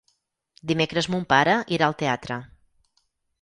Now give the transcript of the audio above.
Dimecres mon pare irà al teatre.